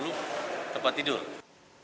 jadi kita akan menambah jumlahnya